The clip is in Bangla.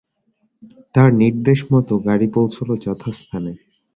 তার নির্দেশমত গাড়ি পৌঁছল যথাস্থানে।